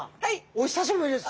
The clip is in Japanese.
お久しぶりです。